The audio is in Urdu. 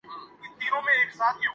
ہزاروں میل دور سے۔